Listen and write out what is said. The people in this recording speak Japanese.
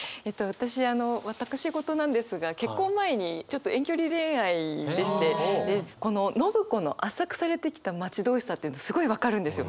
私あの私事なんですが結婚前にちょっと遠距離恋愛でしてでこの伸子の「圧搾されて来た待ち遠しさ」っていうのすごい分かるんですよ。